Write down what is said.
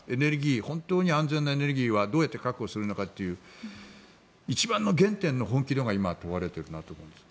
本当に安全なエネルギーはどう確保するのかという一番の原点の本気度が今、問われていると思うんです。